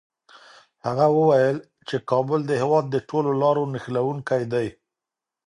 هغه وویل چي کابل د هېواد د ټولو لارو نښلوونکی دی.